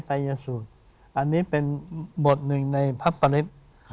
อันนี้เป็นบทหนึ่งในภักดิ์ปริศ